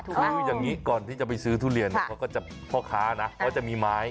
คืออย่างนี้ก่อนที่จะไปซื้อทุเรียนเขาก็จะพ่อค้านะเขาจะมีไม้